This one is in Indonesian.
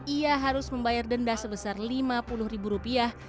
ia harus membayar denda sebesar lima puluh ribu rupiah